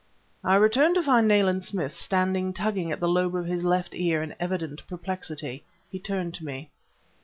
I returned to find Nayland Smith standing tugging at the lobe of his left ear in evident perplexity. He turned to me.